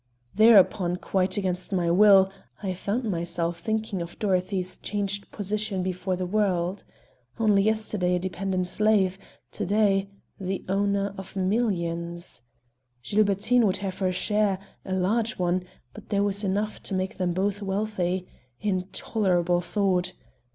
Thereupon, quite against my will, I found myself thinking of Dorothy's changed position before the world. Only yesterday a dependent slave; to day, the owner of millions. Gilbertine would have her share, a large one, but there was enough to make them both wealthy. Intolerable thought!